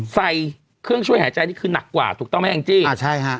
ใส่เครื่องช่วยหายใจนี่คือหนักกว่าถูกต้องไหมแองจี้อ่าใช่ฮะ